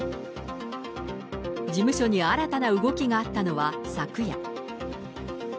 事務所に新たな動きがあったのは昨夜。